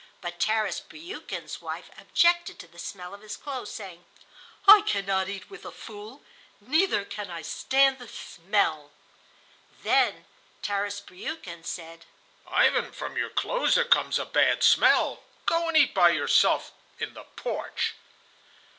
But Tarras Briukhan's wife objected to the smell of his clothes, saying: "I cannot eat with a fool; neither can I stand the smell." Then Tarras Briukhan said: "Ivan, from your clothes there comes a bad smell; go and eat by yourself in the porch."